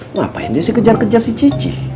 ngapain dia si kejar kejar si cici